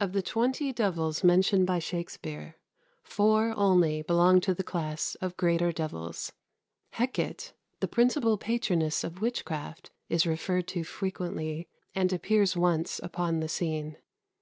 Of the twenty devils mentioned by Shakspere, four only belong to the class of greater devils. Hecate, the principal patroness of witchcraft, is referred to frequently, and appears once upon the scene.